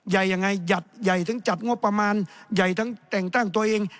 ใหญ่ยังไงหยัดใหญ่ทั้งจัดงบประมาณใหญ่ทั้งแต่งตั้งตัวเอง